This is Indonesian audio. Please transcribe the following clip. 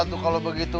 tuh kalau begitu